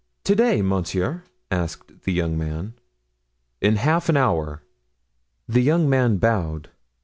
"To day, monsieur?" asked the young man. "In half an hour." The young man bowed.